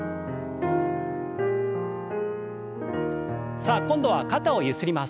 さあ今度は肩をゆすります。